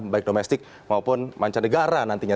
baik domestik maupun mancanegara nantinya